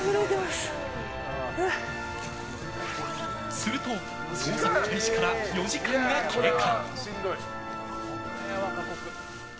すると捜索開始から４時間が経過。